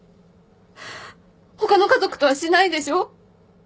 他の家族とはしないでしょ？